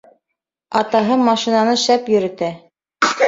Атаһы машинаны шәп йөрөтә.